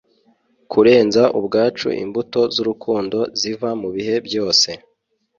kurenza ubwacu imbuto zurukundo ziva mubihe byose